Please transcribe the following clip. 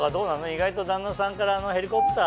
意外と旦那さんからあのヘリコプター？